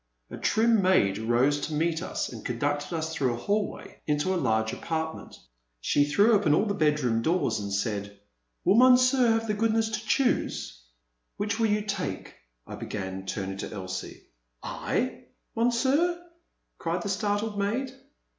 A trim maid rose to meet us and conducted us through a hallway into a large apartment. She threw open all the bed room doors and said, Will Monsieur have the good ness to choose?" The Man at the Next Table. 393 Which will you take," I began, turning to Elsie. *' I ! Monsieur !'* cried the startled maid.